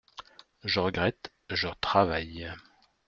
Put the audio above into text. Je regrette ! je travaille.